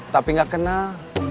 tapi gak kenal